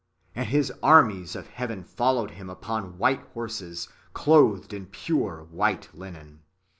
And the armies of heaven followed Him upon white horses, clothed in pure white linen.